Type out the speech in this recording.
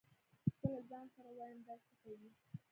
زه له ځان سره وايم دا څه کوي.